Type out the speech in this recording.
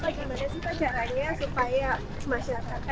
pak gimana sih caranya supaya masyarakat